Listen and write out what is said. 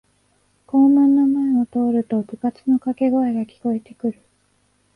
校門の前を通ると部活のかけ声が聞こえてくる